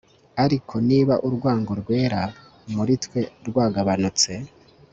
ariko, niba urwango rwera muri twe rwagabanutse